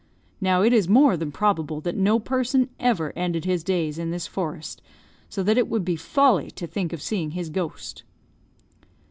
Now, it is more than probable that no person ever ended his days in this forest, so that it would be folly to think of seeing his ghost."